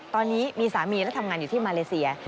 ตอนนี้มีสามีและทำงานอยู่ที่มาเลเซีย